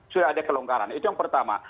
sudah ada kelonggaran itu yang pertama